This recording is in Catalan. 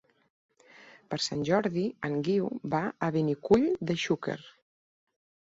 Per Sant Jordi en Guiu va a Benicull de Xúquer.